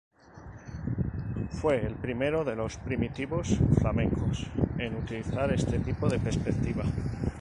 Fue el primero de los primitivos flamencos en utilizar este tipo de perspectiva.